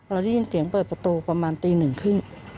เราได้ยินเสียงเปิดประตูประมาณตีหนึ่งครึ่ง